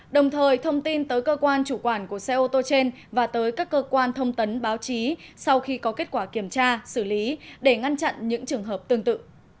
đồng thời thông tin tới cơ quan chủ quản của xe ô tô trên và tới các cơ quan thông tấn báo chí sau khi có kết quả kiểm tra xử lý để ngăn chặn những trường hợp tương tự